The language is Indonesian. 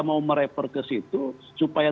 mau mereper ke situ supaya